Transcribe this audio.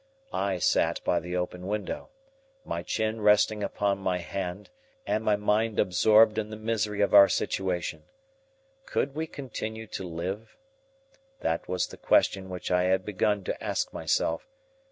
I sat by the open window, my chin resting upon my hand and my mind absorbed in the misery of our situation. Could we continue to live? That was the question which I had begun to ask myself.